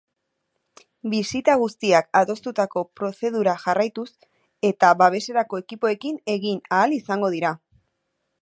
Bisita guztiak adostutako prozedura jarraituz eta babeserako ekipoekin egin ahal izango dira.